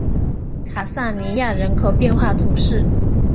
卡萨尼亚人口变化图示